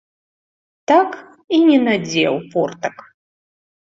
Так і не надзеў портак.